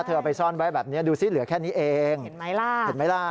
เธอเอาไปซ่อนไว้แบบนี้ดูสิเหลือแค่นี้เองเห็นไหมล่ะ